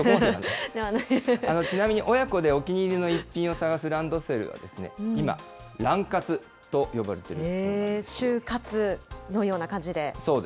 ちなみに、親子でお気に入りの一品を探すランドセルは、今、ラン活と呼ばれ就活のような感じで。